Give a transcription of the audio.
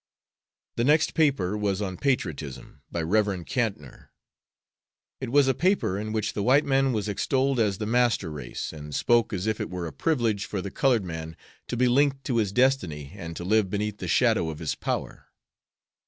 '" The next paper was on "Patriotism," by Rev. Cantnor. It was a paper in which the white man was extolled as the master race, and spoke as if it were a privilege for the colored man to be linked to his destiny and to live beneath the shadow of his power.